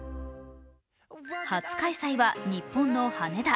初開催は日本の羽田。